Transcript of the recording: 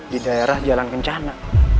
di daerah jalan kencana